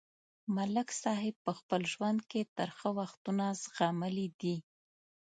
ملک صاحب په خپل ژوند کې ترخه وختونه زغملي دي.